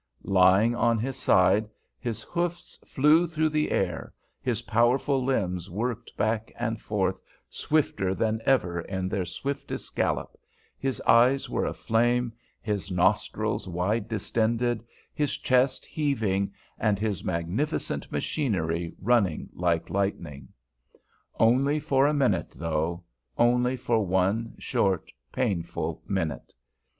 Lying on his side, his hoofs flew through the air, his powerful limbs worked back and forth swifter than ever in their swiftest gallop, his eyes were aflame, his nostrils wide distended, his chest heaving, and his magnificent machinery running like lightning. Only for a minute, though, only for one short, painful minute.